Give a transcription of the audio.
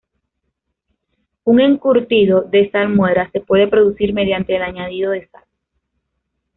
Un encurtido de salmuera se puede producir mediante el añadido de sal.